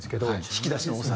引き出しの多さ。